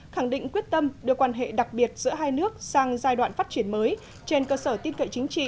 khẳng định quyết tâm đưa quan hệ đặc biệt giữa hai nước sang giai đoạn phát triển mới